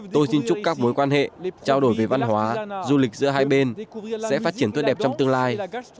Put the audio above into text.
tôi xin chúc các mối quan hệ trao đổi về văn hóa du lịch giữa hai bên sẽ phát triển tốt đẹp trong tương lai